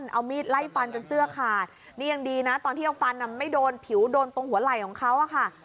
ตอนที่เอาฟันไม่โดนผิวโดนตรงหัวไหล่ของเขา